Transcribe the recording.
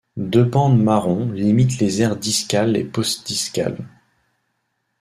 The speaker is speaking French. Deux bandes marron limitent les aires discale et postdiscale.